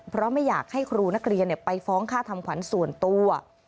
เพราะไม่อยากให้ครูนักเรียนไปฟ้องค่าทำขวัญส่วนตัว